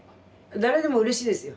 誰でもうれしいですよ。